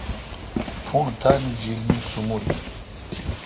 پݨ تانی جیل مے°سنبل۔